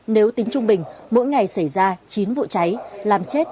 nếu tính trung bình mỗi ngày xảy ra chín vụ cháy làm chết